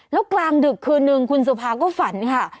แล้วกลางดึกคืนนึงคุณสุภาก็ฝันค่ะ